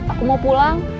aku mau pulang